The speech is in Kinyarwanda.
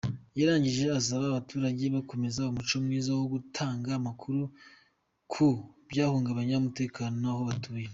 Yarangije asaba abaturage gukomeza umuco mwiza wo gutanga amakuru ku byahungabanya umutekano aho batuye.